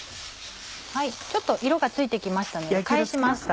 ちょっと色がついて来ましたので返します。